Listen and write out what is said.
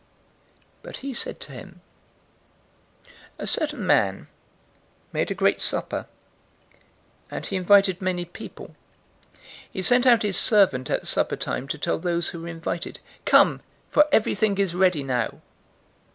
014:016 But he said to him, "A certain man made a great supper, and he invited many people. 014:017 He sent out his servant at supper time to tell those who were invited, 'Come, for everything is ready now.'